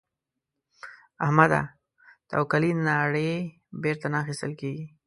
احمده؛ توکلې ناړې بېرته نه اخيستل کېږي.